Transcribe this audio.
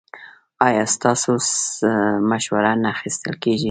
ایا ستاسو مشوره نه اخیستل کیږي؟